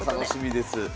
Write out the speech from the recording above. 楽しみです。